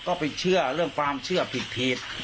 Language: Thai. ก็ไปเชื่อเรื่องความเชื่อผิด